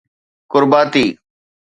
ڪرباتي